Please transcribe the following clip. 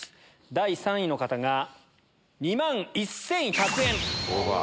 第３位の方が２万１１００円。